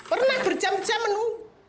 pernah berjam jam bu